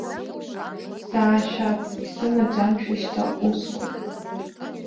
Саашәап исымаӡамшәа шьҭа усқәак.